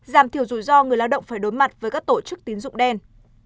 giảm thiểu rủi ro người lao động phải đối mặt với các tổ chức tín dụng đen